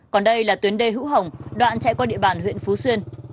còn đây là tuyến đê hữu hồng đoạn chạy qua địa bàn huyện phú xuyên